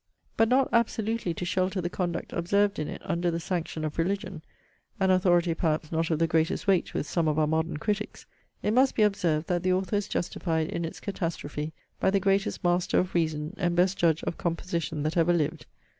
But not absolutely to shelter the conduct observed in it under the sanction of Religion, [an authority, perhaps, not of the greatest weight with some of our modern critics,] it must be observed, that the Author is justified in its catastrophe by the greatest master of reason, and best judge of composition, that ever lived.